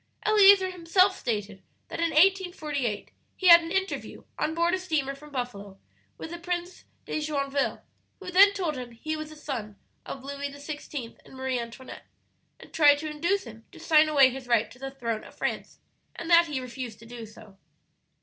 "Eleazer himself stated that in 1848 he had an interview, on board a steamer from Buffalo, with the Prince de Joinville, who then told him he was the son of Louis XVI. and Marie Antoinette, and tried to induce him to sign away his right to the throne of France, and that he refused to do so.